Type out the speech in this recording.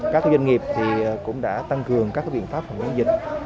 các doanh nghiệp cũng đã tăng cường các biện pháp phòng chống dịch